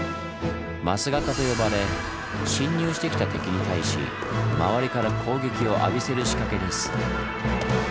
枡形と呼ばれ侵入してきた敵に対し周りから攻撃を浴びせる仕掛けです。